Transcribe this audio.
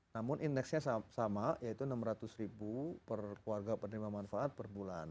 namun indeksnya sama yaitu enam ratus ribu per keluarga penerima manfaat per bulan